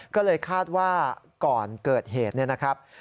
ก็เลยคาดว่าก่อนเกิดเหตุเนี่ยนะครับ